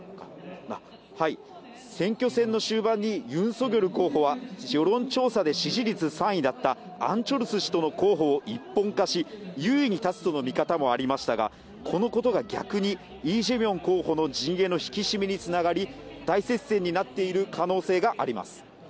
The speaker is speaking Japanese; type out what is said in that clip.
選挙戦の終盤にユン・ソギョル候補は世論調査で支持率３位だったアン・チョルス氏との候補を一本化し優位に立つとの見方もありましたがこのことが逆にイ・ジェミョン候補の陣営の引き締めにつながり、大接戦になっている可能性があります。